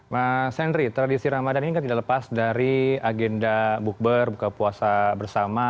mas henry tradisi ramadhan ini kan tidak lepas dari agenda bukber buka puasa bersama